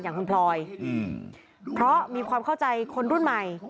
อย่างคุณพลอยเพราะมีความเข้าใจคนรุ่นใหม่